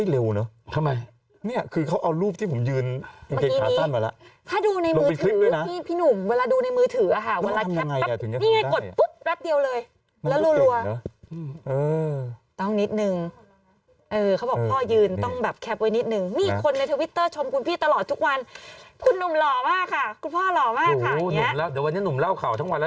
ต้องนิดนึงเขาบอกพ่อยืนต้องแคลบไว้นิดนึง